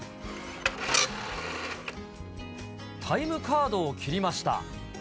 タイムカードを切りました。